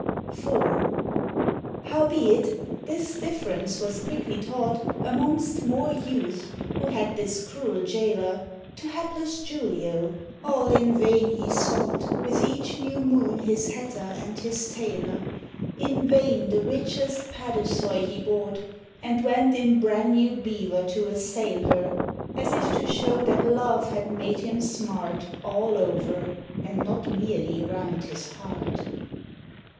IV. Howbeit, this difference was quickly taught, Amongst more youths who had this cruel jailer, To hapless Julio all in vain he sought With each new moon his hatter and his tailor; In vain the richest padusoy he bought, And went in bran new beaver to assail her As if to show that Love had made him smart All over and not merely round his heart.